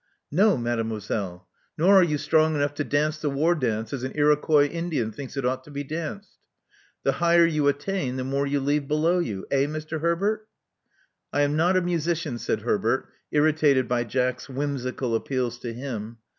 *' "No, Mademoiselle; nor are you strong enough to dance the war dance as an Iroquois Indian thinks it should be danced. The higher you attain, the more you leave below you. Eh, Mr. Herbert?" I am not a musician," said Herbert, irritated by Jack's whimsical appeals to him.